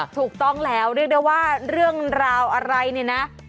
ถูกต้องแล้วเรียกได้ว่าเรื่องราวอะไรเนี่ยนะ